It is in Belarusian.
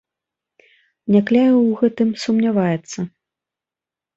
Някляеў у гэтым сумняваецца.